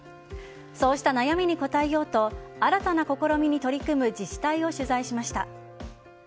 そうした悩みに応えようと新たな試みに取り組む自治体を取材しました。